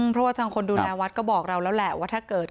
เพราะว่าทางคนดูแลวัดก็บอกเราแล้วแหละว่าถ้าเกิด